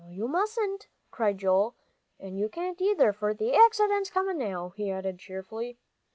"No, you mustn't," cried Joel, "and you can't, either, for th' accident's comin' now," he added cheerfully.